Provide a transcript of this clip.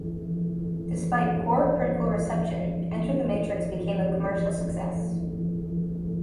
Despite poor critical reception, "Enter the Matrix" became a commercial success.